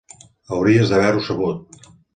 Hauries d'haver-ho sabut.